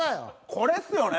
これっすよね！